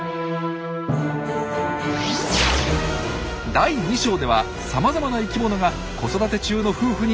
第２章ではさまざまな生きものが子育て中の夫婦に襲いかかります！